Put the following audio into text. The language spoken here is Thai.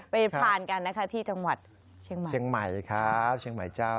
ไปผ่านกันนะคะที่จังหวัดเชียงใหม่ครับเชียงใหม่เจ้า